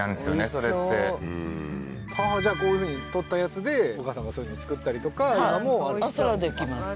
それってじゃあこういうふうに採ったやつでお母さんがそういうふうに作ったりとか今もあっそれはできます